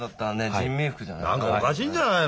何かおかしいんじゃないの？